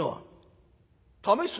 「試す？